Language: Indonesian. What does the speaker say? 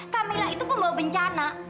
kamila itu pembawa bencana